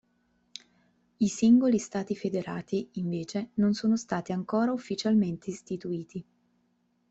I singoli Stati federati, invece, non sono stati ancora ufficialmente istituiti.